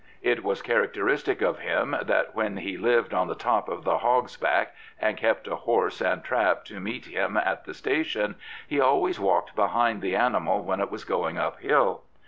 It was characteristic of him that when he lived 154 Lord Morley of Blackburn on the top of the Hog's Back and kept a horse and trap to meet him at the station, he always walked behind the animal when it was going uphill.